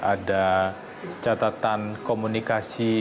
ada catatan komunikasi